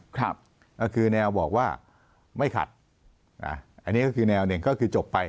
ก็คือแนวบอกว่าไม่ขัดอันนี้ก็คือแนวหนึ่งก็คือจบไป